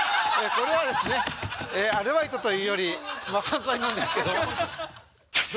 これはですねアルバイトというよりもう犯罪なんですけど。